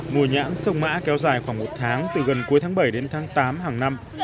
mùa nhãn sông mã kéo dài khoảng một tháng từ gần cuối tháng bảy đến tháng tám hàng năm